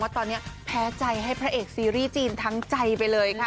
ตอนนี้แพ้ใจให้พระเอกซีรีส์จีนทั้งใจไปเลยค่ะ